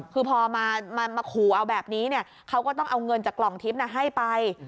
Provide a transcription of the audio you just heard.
คือพอมาขู่เอาแบบนี้เขาก็ต้องเอาเงินจากกล่องทิพย์ให้ไป